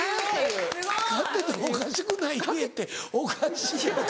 ・飼っててもおかしくない家っておかしいやろ。